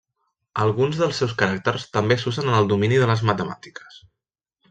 Alguns dels seus caràcters també s'usen en el domini de les matemàtiques.